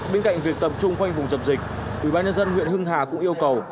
bên cạnh việc tập trung quanh vùng dập dịch ủy ban nhân dân huyện hưng hà cũng yêu cầu